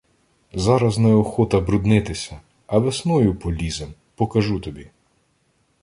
Зараз неохота бруднитися, а весною полізем — покажу тобі.